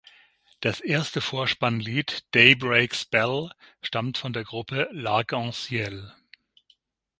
Das erste Vorspannlied, "Daybreak’s Bell", stammt von der Gruppe L'Arc~en~Ciel.